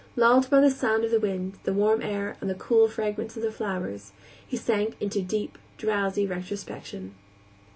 Lulled by the sound of the wind, the warm air, and the cool fragrance of the flowers, he sank into deep, drowsy retrospection.